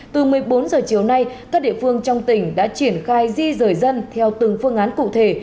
từ một mươi bốn h chiều nay các địa phương trong tỉnh đã triển khai di rời dân theo từng phương án cụ thể